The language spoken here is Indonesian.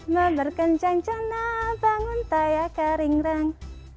memberkan cancana bangun tayak keringrang